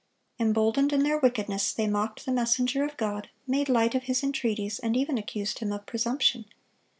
Emboldened in their wickedness, they mocked the messenger of God, made light of his entreaties, and even accused him of presumption.